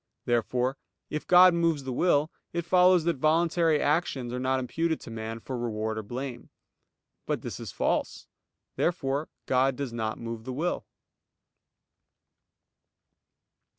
Therefore, if God moves the will, it follows that voluntary actions are not imputed to man for reward or blame. But this is false. Therefore God does not move the will.